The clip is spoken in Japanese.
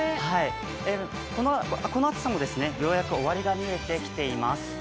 この暑さもようやく終わりが見えてきています。